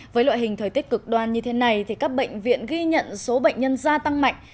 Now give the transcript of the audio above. với loại hình thời tiết cực đoan như thế này các bệnh viện ghi nhận số bệnh nhân gia tăng mạnh